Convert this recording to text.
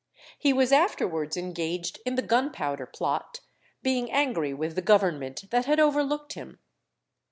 He was afterwards engaged in the Gunpowder Plot, being angry with the Government that had overlooked him.